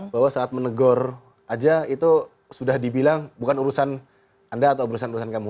bahwa saat menegur aja itu sudah dibilang bukan urusan anda atau urusan urusan kamu